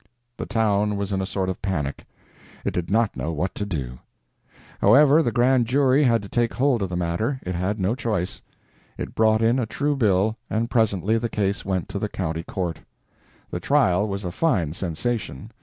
The town was in a sort of panic; it did not know what to do. However, the grand jury had to take hold of the matter—it had no choice. It brought in a true bill, and presently the case went to the county court. The trial was a fine sensation.